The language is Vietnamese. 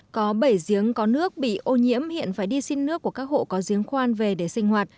có bảy giếng có nước bị ô nhiễm hiện phải đi xin nước của các hộ có giếng khoan về để sinh hoạt